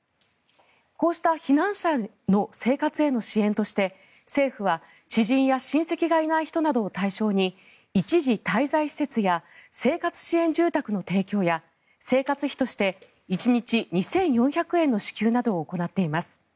こうした避難者の生活への支援として政府は、知人や親戚がいない人などを対象に一時滞在施設や生活支援住宅の提供や生活費として１日２４００円の支給などを行っています。